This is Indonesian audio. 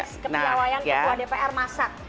kita tes kepiawaan kepua dpr masak